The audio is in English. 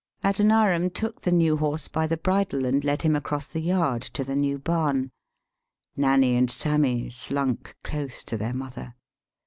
] Adoniram took the new horse by the bridle and led him across the yard to the new barn. [Nanny and Sammy slunk close to their mother.